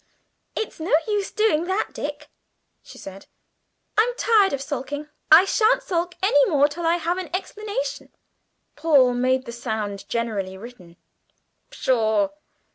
"It's no use doing that, Dick," she said: "I'm tired of sulking. I shan't sulk any more till I have an explanation." Paul made the sound generally written "Pshaw!"